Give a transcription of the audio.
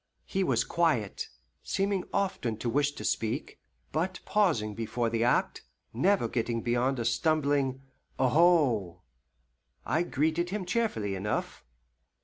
He was quiet, seeming often to wish to speak, but pausing before the act, never getting beyond a stumbling aho! I greeted him cheerfully enough.